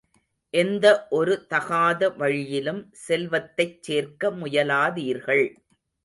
எந்த ஒரு தகாத வழியிலும் செல்வத்தைச் சேர்க்க முயலாதீர்கள்.